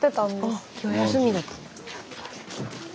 あ今日休みだった。